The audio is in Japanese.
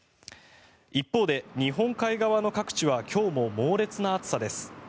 一方で、日本海側の各地は今日も猛烈な暑さです。